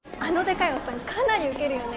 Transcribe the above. かなりウケるよね